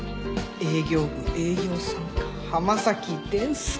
営業部営業三課浜崎伝助。